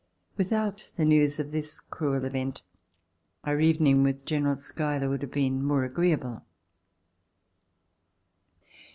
Without the news of this cruel event, our evening with General Schuyler would have been more agreeable.